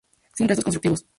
Sin restos constructivos.